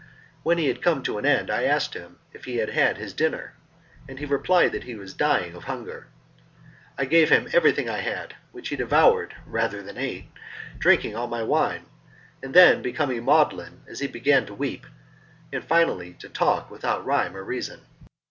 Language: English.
When he had come to an end I asked him if he had had his dinner, and he replied that he was dying of hunger. I gave him everything I had, which he devoured rather than ate; drinking all my wine, and then becoming maudlin he began to weep, and finally to talk without rhyme or reason.